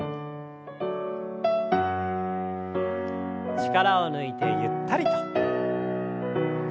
力を抜いてゆったりと。